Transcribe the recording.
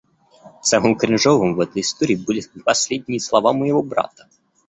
Самым кринжовым в этой истории были последние слова моего брата.